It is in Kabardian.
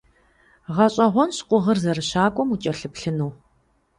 ГъэщӀэгъуэнщ къугъыр зэрыщакӀуэм укӀэлъыплъыну.